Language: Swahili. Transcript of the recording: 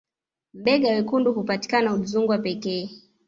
mbega wekundu hupatikana udzungwa pekee